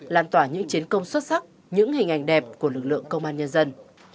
làn tỏa những chiến công xuất sắc những hình ảnh đẹp của lực lượng công an nhân dân